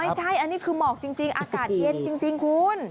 ไม่ใช่อันนี้คือหมอกจริงอากาศเย็นจริงคุณ